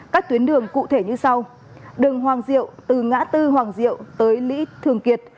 các tuyến đường cụ thể như sau đường hoàng diệu từ ngã tư hoàng diệu tới lý thường kiệt